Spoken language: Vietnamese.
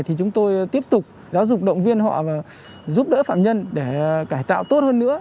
thì chúng tôi tiếp tục giáo dục động viên họ giúp đỡ phạm nhân để cải tạo tốt hơn nữa